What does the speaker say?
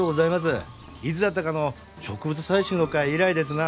いつだったかの植物採集の会以来ですな。